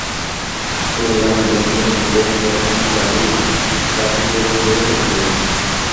Shoreline lofts এর নিচে, falcon ঘাঁটি গেড়েছে যেখানে।